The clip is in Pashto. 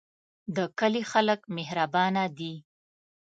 د کلی خلک مهربانه دي